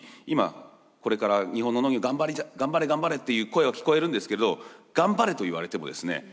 今これから日本の農業頑張れ頑張れっていう声は聞こえるんですけど頑張れと言われてもですね